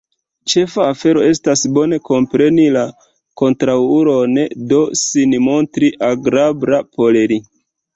Ĉefa afero estas bone kompreni la kontraŭulon, do sin montri agrabla por li...